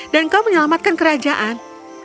dan kau menyelamatkan kerajaan